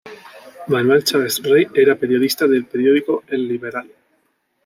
Manuel Chaves Rey era periodista del periódico "El Liberal".